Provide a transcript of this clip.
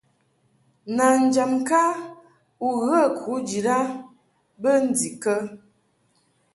Nanjam ŋka u ghə kujid a bə ndikə ?